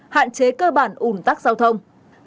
hạn chế cơ bản ủn tắc giao thông